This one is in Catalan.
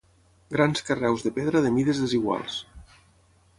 Grans carreus de pedra de mides desiguals.